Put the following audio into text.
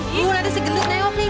bukan ada segitu neop nih